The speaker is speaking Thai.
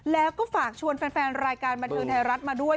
แล้วก็ฝากชวนแฟนรายการบันเทิงไทยรัฐมาด้วย